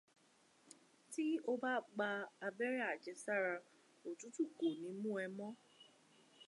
Tí o bá gba abẹ́rẹ́ àjẹsára, òtútù kò ní mú ẹ mọ́.